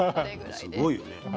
すごいよね。